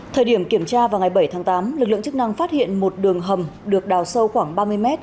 thời điểm kiểm tra vào ngày bảy tháng tám lực lượng chức năng phát hiện một đường hầm được đào sâu khoảng ba mươi m